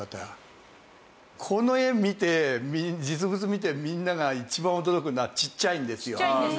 この絵見て実物見てみんなが一番驚くのはちっちゃいんですよ。